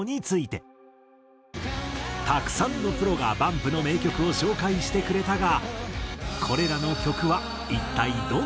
たくさんのプロがＢＵＭＰの名曲を紹介してくれたが。